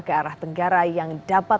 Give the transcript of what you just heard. ke arah tenggara yang dapat